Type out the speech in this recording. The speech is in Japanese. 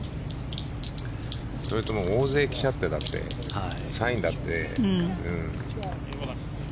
それと大勢来ちゃってサインだって。